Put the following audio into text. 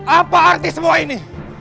apa arti semua ini